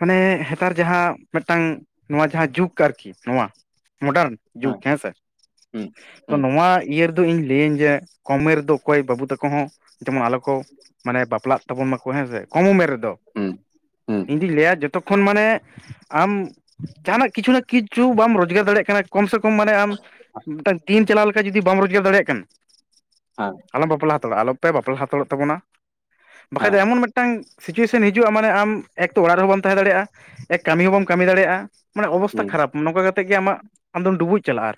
ᱢᱟᱱᱮ ᱦᱮᱸᱛᱟᱨ ᱡᱟᱦᱟᱸ ᱢᱮᱜᱴᱟᱝ ᱱᱚᱣᱟ ᱡᱟᱦᱟᱸ 'ᱡᱩᱜᱽ' ᱟᱨᱠᱤ ᱱᱚᱣᱟ 'ᱢᱚᱰᱟᱨᱱ ᱦᱮᱸ ᱡᱩᱜᱽ' ᱦᱮᱸᱥᱮ! ᱦᱩᱸ ᱛᱚ ᱦᱩᱸ ᱱᱚᱣᱟ ᱤᱭᱟᱹ ᱨᱮᱫᱚ ᱤᱧ ᱞᱟᱹᱭᱟᱹᱧ, ᱡᱮ ᱠᱚᱢ ᱢᱮᱨ ᱫᱚ ᱚᱠᱚᱭ ᱵᱟᱹᱵᱩ ᱛᱟᱠᱚ ᱦᱚᱸ ᱡᱮᱢᱚᱱ ᱟᱞᱚ ᱠᱚ ᱢᱟᱱᱮ 'ᱵᱟᱯᱞᱟᱜ' ᱛᱟᱵᱚᱱ ᱢᱟᱠᱚ ᱦᱮᱸᱥᱮ, ᱠᱚᱢ ᱩᱢᱮᱨ ᱨᱮᱫᱚ᱾ ᱦᱩᱸ ᱦᱩᱸ ᱤᱧ ᱫᱩᱧ ᱞᱟᱹᱭᱟ ᱡᱚᱛᱚᱠᱠᱷᱚᱱ ᱢᱟᱱᱮ ᱟᱢ ᱡᱟᱦᱟᱱᱟᱜ ᱠᱤᱪᱷᱩ ᱱᱟ, ᱠᱤᱪᱷᱩ ᱵᱟᱢ ᱨᱳᱡᱽᱜᱟᱨ ᱫᱟᱲᱮᱜ ᱠᱟᱱᱟ ᱠᱚᱢ ᱥᱮ ᱠᱚᱢ ᱢᱟᱱᱮ ᱟᱢ ᱢᱤᱴᱟ ᱫᱤᱱ ᱪᱟᱞᱟᱣ ᱞᱮᱠᱟ ᱡᱩᱫᱤ ᱵᱟᱢ ᱨᱳᱡᱽᱜᱟᱨ ᱫᱟᱲᱮᱭᱟᱜ ᱠᱟᱱᱟ! ᱟᱨ ᱟᱞᱚᱢ 'ᱵᱟᱯᱞᱟ' ᱦᱟᱛᱟᱲᱚᱜᱼᱟ, ᱟᱞᱚᱯᱮ 'ᱵᱟᱯᱞᱟ' ᱦᱟᱛᱟᱲᱚᱜ ᱛᱟᱵᱚᱱᱟ᱾ ᱵᱟᱠᱷᱟᱡ ᱦᱮᱸ ᱫᱚ ᱮᱢᱚᱱ ᱢᱮᱜᱴᱟᱝ ᱥᱤᱪᱩᱭᱮᱥᱚᱱ ᱦᱤᱡᱩᱜᱼᱟ, ᱢᱟᱱᱮ ᱟᱢ ᱮᱠ ᱛᱚ ᱚᱲᱟᱜ ᱦᱚᱸ ᱵᱟᱢ ᱛᱟᱦᱮᱸ ᱫᱟᱲᱮᱭᱟᱜᱼᱟ, ᱮᱠ ᱠᱟᱢᱤ ᱦᱚᱸ ᱵᱟᱢ ᱠᱟᱹᱢᱤ ᱫᱟᱲᱮᱭᱟᱜᱼᱟ᱾ ᱢᱟᱱᱮ ᱦᱚᱵᱚᱥᱛᱷᱟ ᱦᱩᱸ ᱠᱷᱟᱨᱟᱯ, ᱱᱚᱝᱠᱟ ᱠᱟᱛᱮᱜ ᱜᱮ ᱟᱢᱟᱜ ᱟᱢᱫᱚᱢ ᱰᱩᱵᱩᱡ ᱪᱟᱞᱟ ᱟᱨ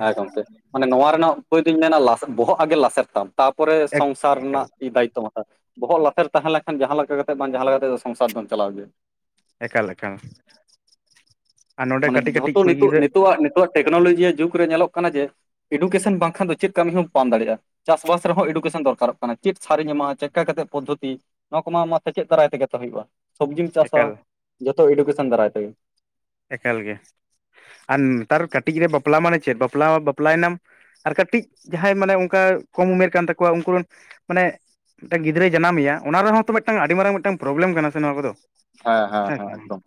ᱦᱮᱸ ᱜᱚᱝᱠᱮ, ᱢᱟᱱᱮ ᱱᱚᱣᱟ ᱨᱮᱱᱟᱜ ᱩᱯᱟᱹᱭ ᱫᱩᱧ ᱢᱮᱱᱟ ᱞᱟᱥ ᱵᱚᱦᱚᱜ ᱟᱜᱮ ᱞᱟᱥᱮᱨ ᱛᱟᱢ᱾ ᱛᱟᱯᱚᱨᱮ ᱮᱠ ᱥᱚᱝᱥᱟᱨ ᱮᱠᱟᱞ ᱱᱟᱜ ᱫᱟᱭᱤᱛᱛᱚᱢᱚ ᱟ ᱵᱚᱦᱚᱜ ᱞᱟᱥᱮᱨ ᱛᱟᱦᱮᱸ ᱞᱮᱝᱠᱷᱟᱱ ᱡᱟᱦᱟᱸ ᱞᱮᱠᱟ ᱠᱟᱛᱮᱜ ᱵᱟᱝ ᱡᱟᱦᱟ ᱞᱮᱠᱟ ᱠᱟᱛᱮᱫ ᱫᱚ ᱥᱚᱝᱥᱟᱨ ᱫᱚᱢ ᱪᱟᱞᱟᱣ ᱜᱮᱭᱟ᱾ ᱮᱠᱟᱞ, ᱮᱠᱟᱞ᱾ ᱟᱨ ᱱᱚᱰᱮ ᱢᱟᱱᱮ ᱠᱟᱹᱴᱤᱡ ᱠᱟᱹᱴᱤᱡ ᱡᱷᱚᱛᱚ ᱠᱩᱲᱤ ᱱᱤᱛᱚᱜ, ᱜᱤᱫᱽᱨᱟᱹ ᱱᱤᱛᱚᱣᱟᱜ ᱱᱤᱛᱚᱜ ᱴᱮᱠᱱᱳᱞᱚᱡᱤᱣ ᱡᱩᱜᱽ ᱨᱮ ᱧᱮᱞᱚᱜ ᱠᱟᱱᱟ ᱡᱮ 'ᱮᱰᱩᱠᱮᱥᱮᱱ' ᱵᱟᱝᱠᱷᱟᱱ ᱫᱚ ᱪᱮᱫ ᱠᱟᱹᱢᱤ ᱦᱚᱸ ᱵᱟᱢ ᱫᱟᱲᱮᱜᱼᱟ᱾ ᱪᱟᱥ-ᱵᱟᱥ ᱨᱮᱦᱚᱸ ᱮᱰᱩᱠᱮᱥᱮᱱ ᱫᱚᱨᱠᱟᱨᱚᱜ ᱠᱟᱱᱟ᱾ ᱪᱮᱫ ᱥᱟᱨᱤᱧ ᱮᱢᱟ, ᱪᱮᱠᱠᱟ ᱠᱟᱛᱮᱜ ᱯᱚᱫᱽᱫᱷᱚᱛᱤ? ᱱᱚᱣᱟ ᱠᱚᱢᱟ ᱟᱢᱟᱜ ᱥᱮᱪᱮᱫ ᱫᱟᱨᱟᱭ ᱛᱮᱜᱮ ᱛᱚ ᱦᱳᱭᱳᱜᱼᱟ᱾ ᱥᱚᱵᱽᱡᱤᱢ ᱪᱟᱥᱟ ᱮᱠᱟᱞ ᱡᱚᱛᱚ 'ᱮᱰᱩᱠᱮᱥᱮᱱ' ᱫᱟᱨᱟᱭ ᱛᱮᱜᱮ᱾ ᱮᱠᱟᱞ ᱜᱮ ᱟᱨᱱ ᱱᱮᱛᱟᱨ ᱠᱟᱹᱴᱤᱡ ᱜᱤᱫᱟ. 'ᱵᱟᱯᱞᱟ' ᱢᱟᱱᱮ ᱪᱮᱫ 'ᱵᱟᱯᱞᱟᱣ', ᱵᱟᱯᱞᱟᱭᱮᱱᱟᱢ ᱟᱨ ᱠᱟᱹᱴᱤᱡ ᱡᱟᱦᱟᱸᱭ ᱢᱟᱱᱮ ᱚᱝᱠᱟ ᱠᱚᱢ ᱢᱮᱨ ᱠᱟᱱ ᱛᱟᱠᱚᱣᱟ ᱩᱝᱠᱩ ᱨᱮᱱ, ᱢᱟᱱᱮ ᱴᱮᱝ ᱜᱤᱫᱽᱨᱟᱹᱭ ᱡᱟᱱᱟᱢᱮᱭᱟ ᱚᱱᱟ ᱨᱮᱦᱚᱸ ᱛᱚ ᱢᱤᱜᱴᱟᱝ ᱟᱰᱤ ᱢᱟᱨᱟᱝ, ᱢᱤᱜᱴᱟᱝ ᱯᱨᱚᱵᱽᱞᱮᱢ ᱠᱟᱱᱟ ᱥᱮ ᱱᱚᱣᱟ ᱠᱚᱫᱚ᱾ ᱦᱮᱸ, ᱦᱮᱸ, ᱦᱮᱸ, ᱮᱠᱫᱚᱢ᱾